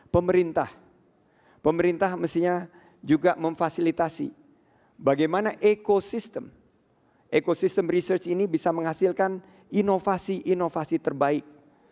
pemerintah pemerintah mestinya juga memfasilitasi bagaimana ekosistem ekosistem research ini bisa menghasilkan inovasi inovasi terbaik